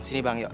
sini bang yuk